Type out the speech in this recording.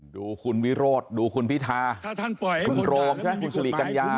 ดูคุณวิโรธดูคุณพิธาคุณโรมใช่ไหมคุณสิริกัญญา